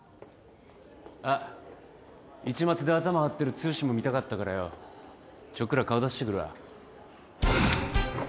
あっ市松でアタマはってる剛も見たかったからよちょっくら顔出してくるわ。